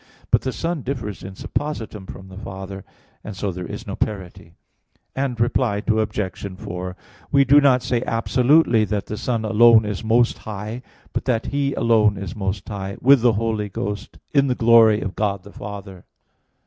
But the Son differs in suppositum from the Father; and so there is no parity. Reply Obj. 4: We do not say absolutely that the Son alone is Most High; but that He alone is Most High "with the Holy Ghost, in the glory of God the Father."